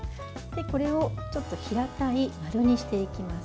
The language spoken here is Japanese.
これを平たい丸にしていきます。